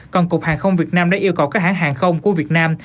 còn cục hàng không việt nam đã yêu cầu các hãng hàng không của việt nam